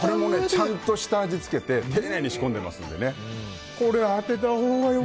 ちゃんと下味をつけて丁寧に仕込んでいますのでね。